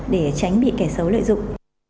để tránh bị kẻ xấu lợi dụng